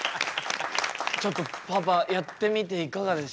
ちょっとパーパーやってみていかがでした？